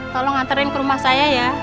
tolong nganterin ke rumah saya ya